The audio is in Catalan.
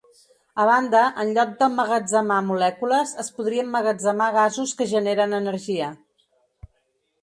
A banda, en lloc d’emmagatzemar molècules, es podria emmagatzemar gasos que generen energia.